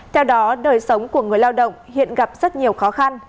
theo đó đời sống của người lao động hiện gặp rất nhiều khó khăn